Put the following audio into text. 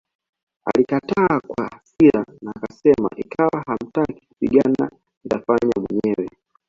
Alikataa kwa hasira na akasema Ikiwa hamtaki kupigana nitafanya mwenyewe